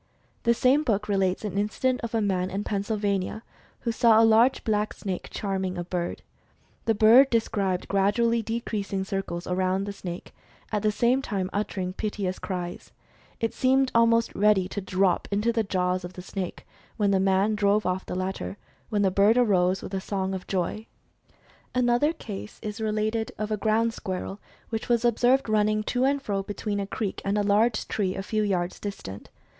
The same book relates an incident of a man in Pennsylvania, who saw a large blacksnake charming a bird. The bird described gradually decreasing circles around the snake, at the same time uttering piteous cries. It seemed almost ready to drop into the jaws of the snake, when the man drove off the latter, when the bird arose with a song of joy. 1 6 Mental Fascination Another case is related of a ground squirrel, which was observed running to and fro between a creek and a large tree a few yards distant.